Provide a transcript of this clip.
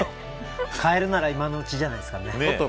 変えるなら今じゃないですかね。